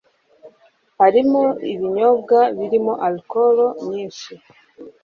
harimo ibinyobwa birimo alcool nyinshi.